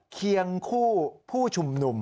เคียงคู่ผู้ชุมนุม